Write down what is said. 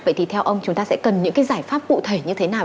vậy thì theo ông chúng ta sẽ cần những cái giải pháp cụ thể như thế nào